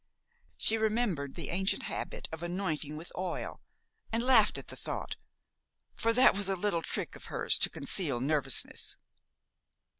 She remembered the ancient habit of anointing with oil, and laughed at the thought, for that was a little trick of hers to conceal nervousness.